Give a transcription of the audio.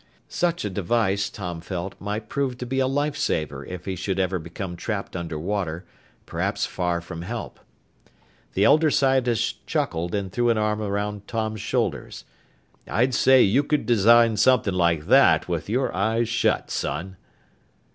Such a device, Tom felt, might prove to be a lifesaver if he should ever become trapped under water perhaps far from help. The elder scientist chuckled and threw an arm around Tom's shoulders. "I'd say you could design something like that with your eyes shut, son!"